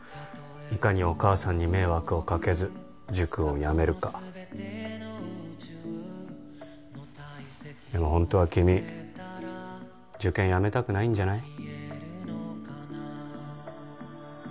いかにお母さんに迷惑をかけず塾をやめるかでもホントは君受験やめたくないんじゃない？